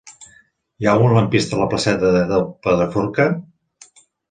Hi ha algun lampista a la placeta del Pedraforca?